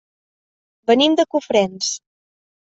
Venim de Cofrents.